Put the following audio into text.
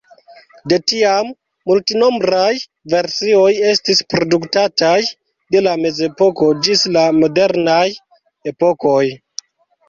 De tiam, multnombraj versioj estis produktataj, de la mezepoko ĝis la modernaj epokoj.